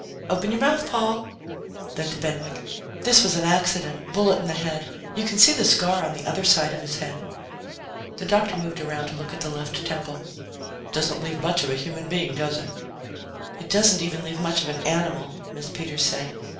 "Open your mouth, Paul." Then, to Benwick: "This was an accident. Bullet in the head. You can see the scar on the other side of his head." The doctor moved around to look at the left temple. "Doesn't leave much of a human being, does it?" "It doesn't even leave much of an animal," Miss Peters said.